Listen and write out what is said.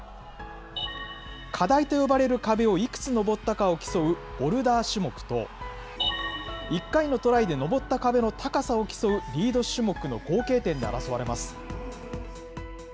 課題と呼ばれる壁をいくつ登ったかを競うボルダー種目と、１回のトライで登った壁の高さを競うリード種目の合計点で争われます。